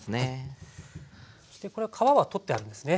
そしてこれは皮は取ってあるんですね。